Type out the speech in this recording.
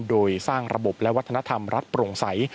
โดยสร้างระบบและวัฒนธรรมรัฐโปร่งใส